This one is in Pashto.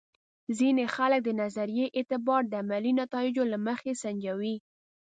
ځینې خلک د نظریې اعتبار د عملي نتایجو له مخې سنجوي.